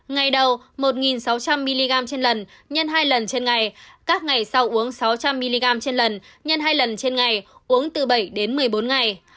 ngày đầu một sáu trăm linh mg x hai lần trên ngày các ngày sau uống sáu trăm linh mg x hai lần trên ngày uống từ bảy đến một mươi bốn ngày